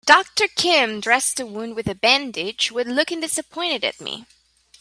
Doctor Kim dressed the wound with a bandage while looking disappointed at me.